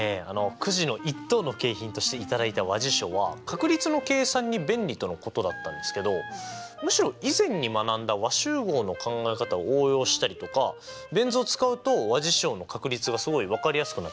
くじの一等の景品として頂いた和事象は確率の計算に便利とのことだったんですけどむしろ以前に学んだ和集合の考え方を応用したりとかベン図を使うと和事象の確率がすごい分かりやすくなってましたね。